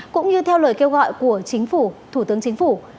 cũng như theo lời kêu gọi của chính phủ thủ tướng chính phủ